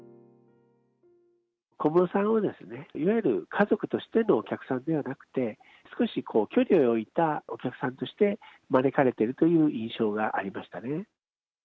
小室さんは、いわゆる家族としてのお客さんではなくて、少し距離を置いたお客さんとして招かれてるという印象がありまし